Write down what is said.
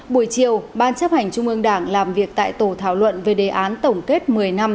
buổi chiều ban chấp hành trung ương đảng làm việc tại tổ thảo luận về đề án tổng kết một mươi năm